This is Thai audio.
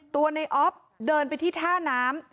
ตัวนายอ๊อฟเดินไปที่ท่าน้ำ